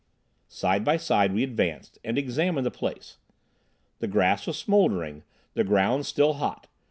Side by side we advanced and examined the place. The grass was smouldering, the ground still hot.